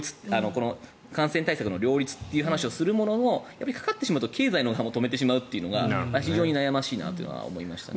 この感染対策の両立という話をするもののかかってしまうと経済を止めてしまうというのは非常に悩ましいと思いました。